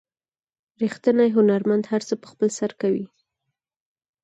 ریښتینی هنرمند هر څه په خپل سر کوي.